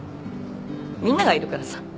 みんながいるからさ。